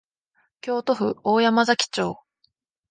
京都府大山崎町